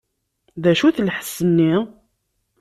D acu-t lḥess-nni?